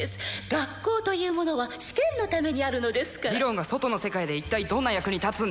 学校というものは試験のためにあるのですから理論が外の世界で一体どんな役に立つんですか？